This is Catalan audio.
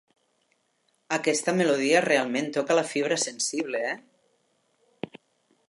Aquesta melodia realment toca la fibra sensible, eh?